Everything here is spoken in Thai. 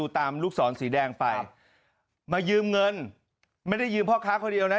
ตามลูกศรสีแดงไปมายืมเงินไม่ได้ยืมพ่อค้าคนเดียวนะ